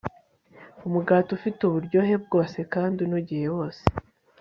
umugati ufite uburyohe bwose kandi unogeye bose